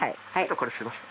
これすいません。